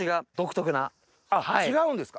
あっ違うんですか